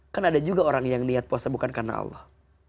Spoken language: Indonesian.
kan ada juga orang yang niat puasa bukan karena allah